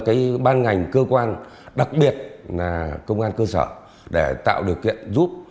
cái ban ngành cơ quan đặc biệt là công an cơ sở để tạo điều kiện giúp